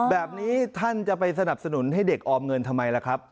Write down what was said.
แบบนี้ท่านจะไปสนับสนุนให้เด็กออมเงินทำไมล่ะครับ